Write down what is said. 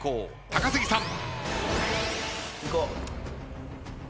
高杉さん。